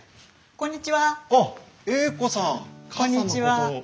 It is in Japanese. こんにちは。